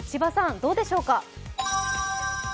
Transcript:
どうでしょうか。